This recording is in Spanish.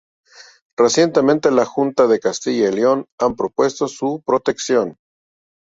Recientemente la Junta de Castilla y León ha propuesto su protección.